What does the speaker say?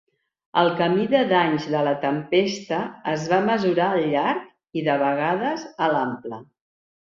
El camí de danys de la tempesta es va mesurar al llarg, i de vegades a l'ample.